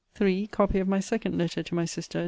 Copy of my second letter to my sister.